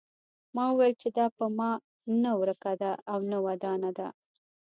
ما وویل چې دا په ما نه ورکه ده او نه ودانه ده.